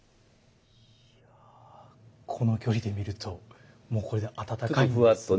この距離で見るともうこれで温かいですね。